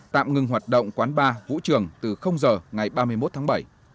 tạm ngừng hoạt động quán bar vũ trường từ giờ ngày ba mươi một tháng bảy